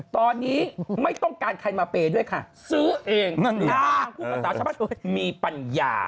ตอนนี้ไม่ต้องการใครมาเปย์ด้วยค่ะซื้อเองจ้างพูดภาษาชาวบ้านมีปัญญา